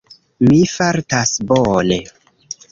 Mi fartas bone